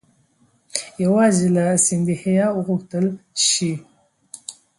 یوازې له سیندهیا وغوښتل شي.